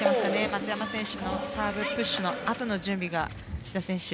松山選手のサーブプッシュのあとの準備が志田選手